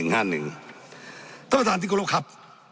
ท่านประธานทิกุรกรับ